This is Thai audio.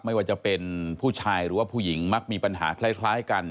ไม่ว่าจะเป็นผู้ชายหรือว่าผู้หญิงมักมีปัญหาคล้ายกัน